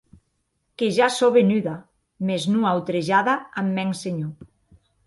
Que ja sò venuda, mès non autrejada ath mèn senhor.